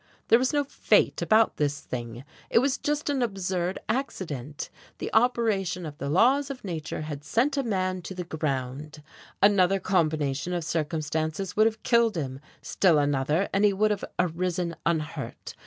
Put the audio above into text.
There was no fate about this thing, it was just an absurd accident. The operation of the laws of nature had sent a man to the ground: another combination of circumstances would have killed him, still another, and he would have arisen unhurt.